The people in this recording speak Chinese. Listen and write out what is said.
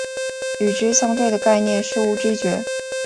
与之相对的概念是物知觉。